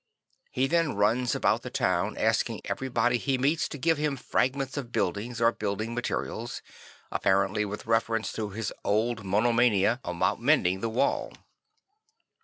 He then runs about the town asking everybody he meets to give him fragments of buildings or building materials, apparently with reference to his old monomania about mending the wall.